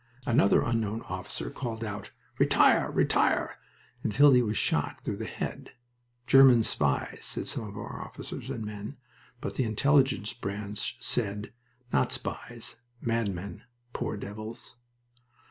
Another unknown officer called out, "Retire! Retire!" until he was shot through the head. "German spies!" said some of our officers and men, but the Intelligence branch said, "Not spies... madmen... poor devils!"